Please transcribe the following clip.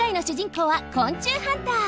こうは昆虫ハンター。